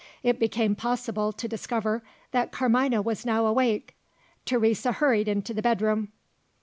It became possible to discover that Carmina was now awake. Teresa hurried into the bedroom.